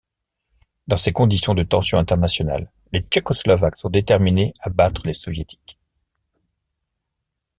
Dans ces conditions de tensions internationales, les Tchécoslovaques sont déterminés à battre les Soviétiques.